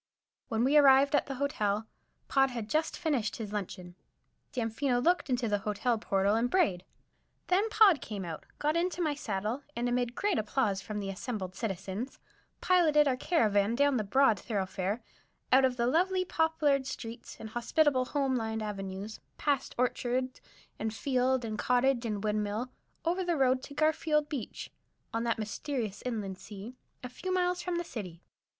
When we arrived at the Hotel, Pod had just finished his luncheon. Damfino looked into the hotel portal and brayed. Then Pod came out, got into my saddle, and amid great applause from the assembled citizens, piloted our caravan down the broad thoroughfare, out of the lovely poplared streets and hospitable, home lined avenues, past orchard and field and cottage and windmill, over the road to Garfield Beach, on "that mysterious inland sea," a few miles from the city.